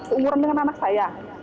keumuran dengan anak saya